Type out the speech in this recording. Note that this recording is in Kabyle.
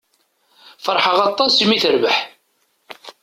Feṛḥeɣ-as aṭas i mi terbeḥ.